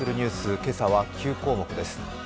今朝は９項目です。